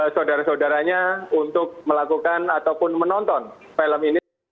saudara saudaranya untuk melakukan ataupun menonton film ini